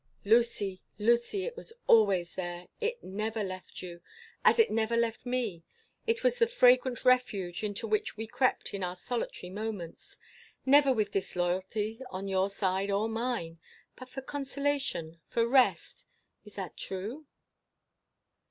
"Lucy, Lucy, it was always there! It never left you, as it never left me! It was the fragrant refuge, into which we crept in our solitary moments—never with disloyalty on your side or mine—but for consolation, for rest. Is that true?"